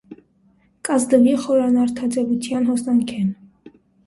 Կ՛ազդուի խորանարդաձեւութեան հոսանքէն։